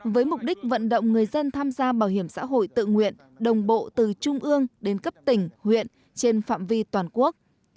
với mục đích vận động người dân tham gia bảo hiểm xã hội tự nguyện đồng bộ từ trung ương đến cấp tỉnh huyện trên phạm vi toàn quốc